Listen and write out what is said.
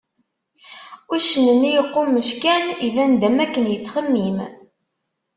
Uccen-nni yeqqummec kan, iban-d am akken yettxemmim.